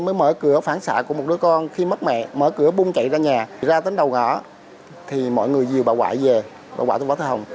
mới mở cửa phản xạ của một đứa con khi mất mẹ mở cửa bung chạy ra nhà ra đến đầu gõ thì mọi người dìu bà quại về bà quả tôi bỏ thơ hồng